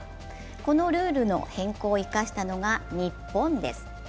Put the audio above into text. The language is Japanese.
このルールの変更を生かしたのが日本では。